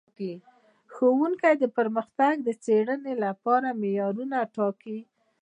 ښوونکي د پرمختګ د څارنې لپاره معیارونه ټاکل.